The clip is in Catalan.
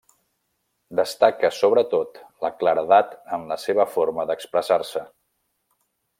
Destaca sobretot la claredat en la seva forma d'expressar-se.